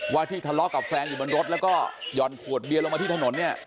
ว่าที่ทะเลาะกับแฟนอยู่บนรถแล้วก็ห่อนขวดเบียนลงมาที่ถนนเนี่ย